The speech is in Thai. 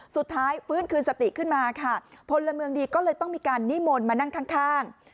ฟื้นคืนสติขึ้นมาค่ะพลเมืองดีก็เลยต้องมีการนิมนต์มานั่งข้างข้าง